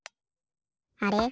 あれ？